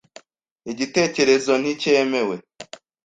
Igitekerezo nticyemewe.